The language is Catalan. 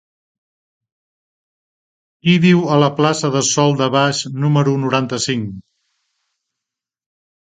Qui viu a la plaça del Sòl de Baix número noranta-cinc?